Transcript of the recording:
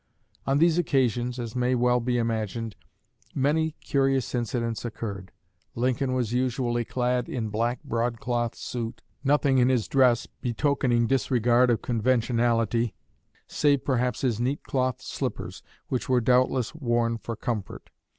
On these occasions, as may well be imagined, many curious incidents occurred. Lincoln was usually clad "in a black broadcloth suit, nothing in his dress betokening disregard of conventionality, save perhaps his neat cloth slippers, which were doubtless worn for comfort.